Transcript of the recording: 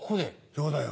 そうだよ。